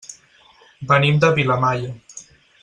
Venim de Vilamalla.